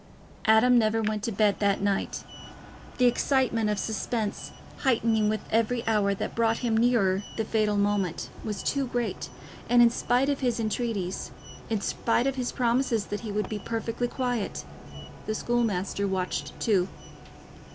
Adam never went to bed that night. The excitement of suspense, heightening with every hour that brought him nearer the fatal moment, was too great, and in spite of his entreaties, in spite of his promises that he would be perfectly quiet, the schoolmaster watched too.